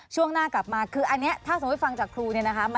ช่วงหน้ากลับมาคืออันนี้ถ้าสมมุติฟังจากครูเนี่ยนะคะ